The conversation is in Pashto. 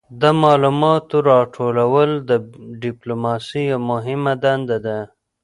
د معلوماتو راټولول د ډیپلوماسي یوه مهمه دنده ده